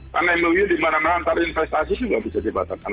kan mou di mana mana antara investasi juga bisa dibatalkan